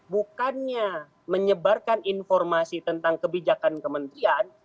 bukannya menyebarkan informasi tentang kebijakan kementerian